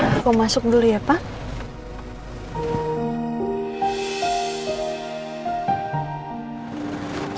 aku masuk dulu ya pak